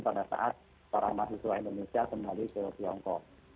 pada saat para mahasiswa indonesia kembali ke tiongkok